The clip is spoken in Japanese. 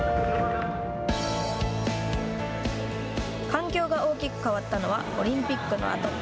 環境が大きく変わったのはオリンピックの後。